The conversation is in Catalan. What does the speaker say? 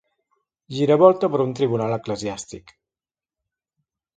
Giravolta per un tribunal eclesiàstic.